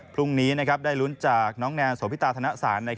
พรุ่งนี้ได้ลุ้นจากน้องแนนโสพิตาธนสาร